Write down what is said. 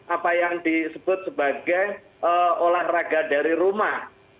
apa yang disebut sebagai olahraga dari rumah